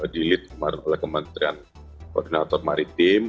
di lead kemarin oleh kementerian koordinator maritim